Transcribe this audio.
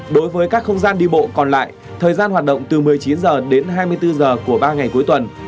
đối với các không gian đi bộ còn lại thời gian hoạt động từ một mươi chín h đến hai mươi bốn h của ba ngày cuối tuần